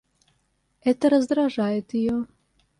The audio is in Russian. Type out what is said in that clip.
Это раздражает ее.